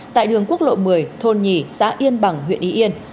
tại đường quốc lộ một mươi thôn nhì xã yên bằng huyện y yên